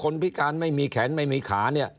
พิการไม่มีแขนไม่มีขาเนี่ย